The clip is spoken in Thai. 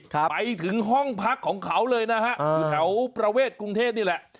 ไปถึงห้องพักของเขาเลยนะฮะอยู่แถวประเวทกรุงเทพนี่แหละ